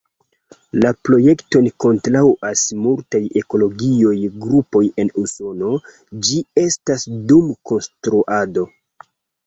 La projekton kontraŭas multaj ekologiaj grupoj en Usono, ĝi estas dum konstruado.